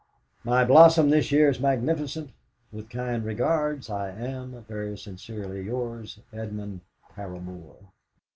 My blossom this year is magnificent. "With kind regards, I am, "Very sincerely yours, "EDMUND PARAMOR.